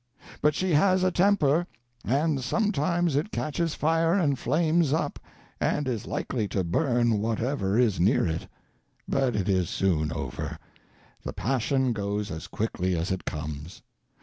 But she has a temper, and sometimes it catches fire and flames up, and is likely to burn whatever is near it; but it is soon over, the passion goes as quickly as it comes.